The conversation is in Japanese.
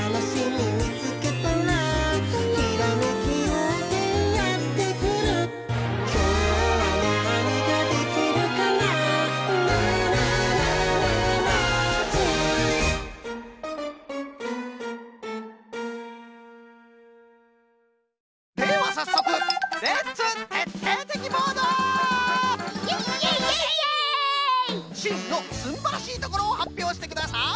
しんのすんばらしいところをはっぴょうしてください！